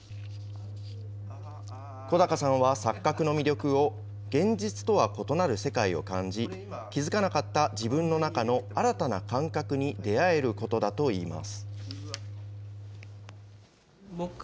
小鷹さんは錯覚の魅力を、現実とは異なる世界を感じ、気付かなかった自分の中の新たな感覚に出会えることだといいます。